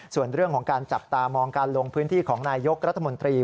ส่วนเรื่องของการจับตามองการลงพื้นที่ของนายยกรัฐมนตรี